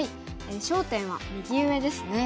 焦点は右上ですね。